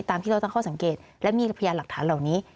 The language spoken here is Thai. ตามที่เราตั้งข้อสังเกตและมีพยานหลักฐานเหล่านี้